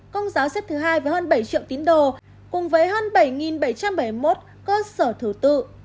công giáo xếp thứ hai với hơn bảy triệu tín đồ cùng với hơn bảy bảy trăm bảy mươi một cơ sở thử tự